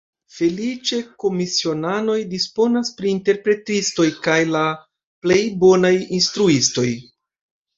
Feliĉe komisionanoj disponas pri interpretistoj kaj la plej bonaj instruistoj.